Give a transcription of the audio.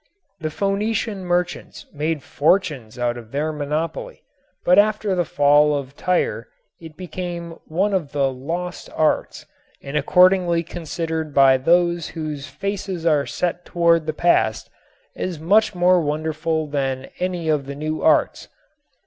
The Phoenician merchants made fortunes out of their monopoly, but after the fall of Tyre it became one of "the lost arts" and accordingly considered by those whose faces are set toward the past as much more wonderful than any of the new arts.